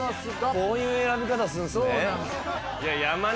こういう選び方するんすね